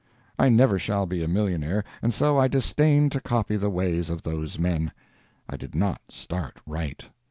I never shall be a millionaire, and so I disdain to copy the ways of those men. I did not start right.